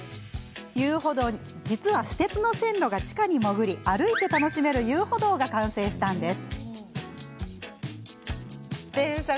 実は、私鉄の線路が地下に潜り歩いて楽しめる遊歩道が完成したんです。